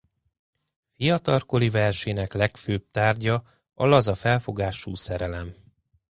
Fiatalkori versének legfőbb tárgya a laza felfogású szerelem.